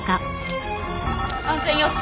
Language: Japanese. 安全よし。